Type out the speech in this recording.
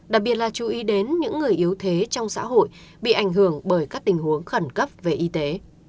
đặc biệt là chú ý đến những người yếu thế trong xã hội bị ảnh hưởng bởi các tình huống khẩn cấp về y tế